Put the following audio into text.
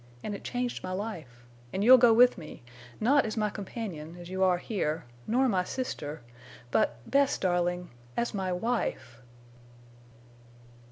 And it changed my life. And you'll go with me, not as my companion as you are here, nor my sister, but, Bess, darling!... _As my wife!